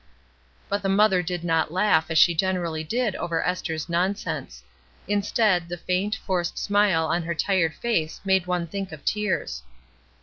But the mother did not laugh, as she generally did over Esther's nonsense. Instead, the faint, forced smile on her tired face made one think of tears.